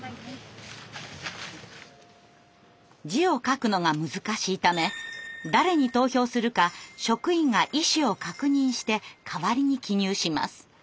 字を書くのが難しいため誰に投票するか職員が意思を確認して代わりに記入します。